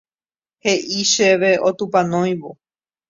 He'i chéve otupanóivo